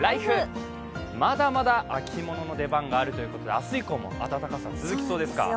まだまだ秋物の出番があるということで、明日以降も暖かさ、続きそうですか。